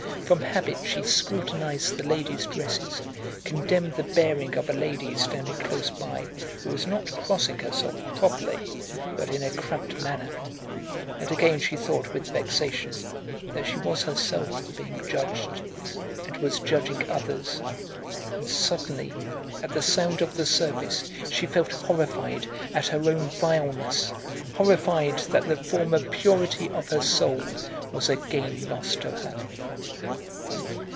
From habit she scrutinized the ladies' dresses, condemned the bearing of a lady standing close by who was not crossing herself properly but in a cramped manner, and again she thought with vexation that she was herself being judged and was judging others, and suddenly, at the sound of the service, she felt horrified at her own vileness, horrified that the former purity of her soul was again lost to her.